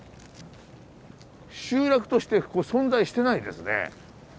集落としてここ存在してないですね。